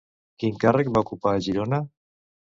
Quin càrrec va ocupar a Girona?